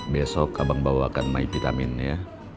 besok abang bawakan mai vitamin ya